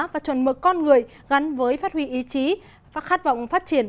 và chuẩn mực con người gắn với phát huy ý chí khát vọng phát triển